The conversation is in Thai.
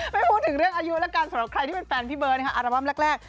ไม่พูดถึงเรื่องอายุแล้วกันสำหรับใครที่เป็นแฟนพี่เบิร์ตนะคะอัลบั้มแรก